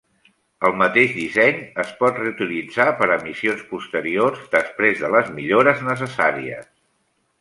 El mateix disseny es pot reutilitzar per a missions posteriors, després de les millores necessàries.